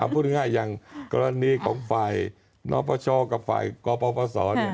พูดง่ายอย่างกรณีของฝ่ายนปชกับฝ่ายกปศ